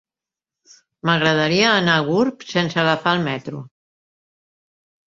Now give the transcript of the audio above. M'agradaria anar a Gurb sense agafar el metro.